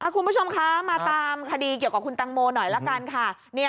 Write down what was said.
คุณผู้ชมคะมาตามคดีเกี่ยวกับคุณตังโมหน่อยละกันค่ะ